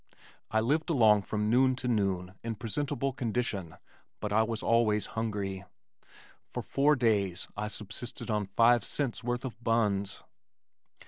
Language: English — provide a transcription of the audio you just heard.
I lived along from noon to noon in presentable condition, but I was always hungry. For four days I subsisted on five cents worth of buns.